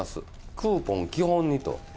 クーポン基本にと。